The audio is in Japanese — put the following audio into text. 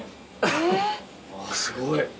すごい。